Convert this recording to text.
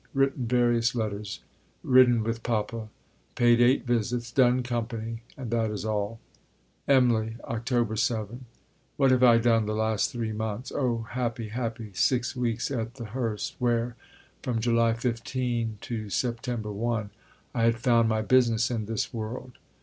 Written various letters. Ridden with Papa. Paid eight visits. Done company. And that is all. See below, p. 94. EMBLEY, Oct. 7. What have I done the last three months? O happy, happy six weeks at the Hurst, where (from July 15 to Sept. 1) I had found my business in this world.